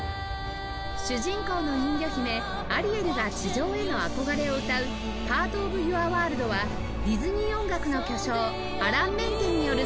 主人公の人魚姫アリエルが地上への憧れを歌う『パート・オブ・ユア・ワールド』はディズニー音楽の巨匠アラン・メンケンによる作曲です